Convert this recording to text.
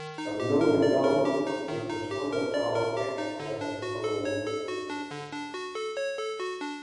Sa no en dan wurdt de standerttaal ek wetlik feroare.